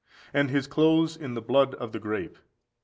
"And his clothes in the blood of the grape."